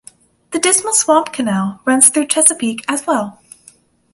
The Dismal Swamp Canal runs through Chesapeake as well.